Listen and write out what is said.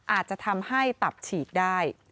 อาจจะทำให้ตับฉีกได้